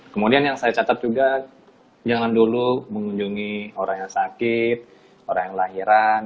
kemudian yang saya catat juga jangan dulu mengunjungi orang yang sakit orang yang lahiran